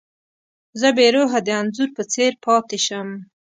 زه بې روحه د انځور په څېر پاتې شم.